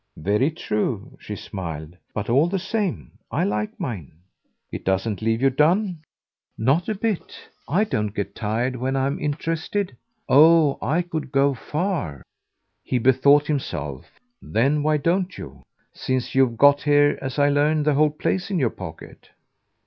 "Very true," she smiled; "but all the same I like mine." "It doesn't leave you 'done'?" "Not a bit. I don't get tired when I'm interested. Oh I could go far." He bethought himself. "Then why don't you? since you've got here, as I learn, the whole place in your pocket."